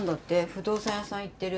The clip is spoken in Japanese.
不動産屋さん行ってる。